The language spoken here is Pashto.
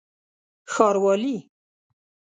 ښاروالي